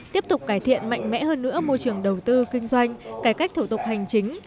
tiếp tục cải thiện mạnh mẽ hơn nữa môi trường đầu tư kinh doanh cải cách thủ tục hành chính